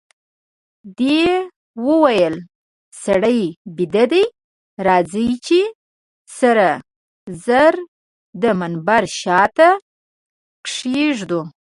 دوی وویل: سړی بیده دئ، راځئ چي سره زر د منبر شاته کښېږدو.